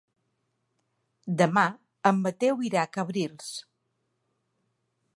Demà en Mateu irà a Cabrils.